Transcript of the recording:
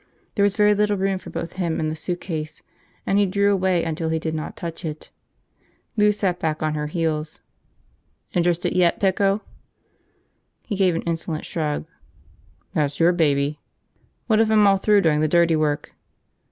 There was very little room for both him and the suitcase, and he drew away until he did not touch it. Lou sat back on her heels. "Interested yet, Pico?" He gave an insolent shrug. "That's your baby." "What if I'm all through doing the dirty work?"